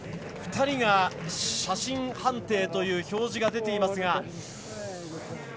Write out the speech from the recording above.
２人が写真判定という表示が出ていますが。